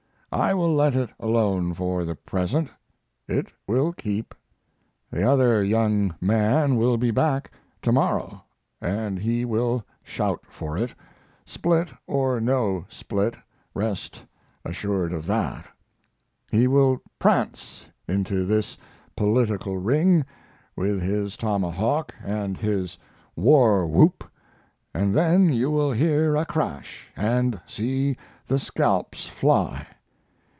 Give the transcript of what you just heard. I will let it alone for the present. It will keep. The other young man will be back to morrow, and he will shout for it, split or no split, rest assured of that. He will prance into this political ring with his tomahawk and his war whoop, and then you will hear a crash and see the scalps fly.